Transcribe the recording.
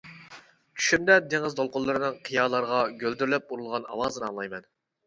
چۈشۈمدە دېڭىز دولقۇنلىرىنىڭ قىيالارغا گۈلدۈرلەپ ئۇرۇلغان ئاۋازىنى ئاڭلايمەن.